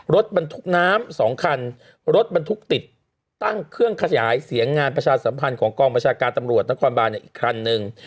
รถบรรทุกน้ำ๒คันรถบรรทุกติดตั้งเครื่องขยายเสียงงานประชาสัมพันธ์ของกองประชาการตำรวจนครบานอีกคันนึง